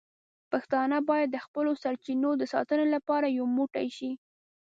پښتانه باید د خپلو سرچینو د ساتنې لپاره یو موټی شي.